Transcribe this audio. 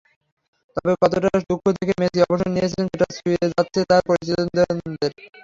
তবে কতটা দুঃখ থেকে মেসি অবসর নিয়েছেন, সেটা ছুঁয়ে যাচ্ছে তাঁর পরিচিতজনদের।